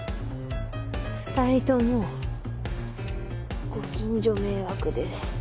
２人ともご近所迷惑です。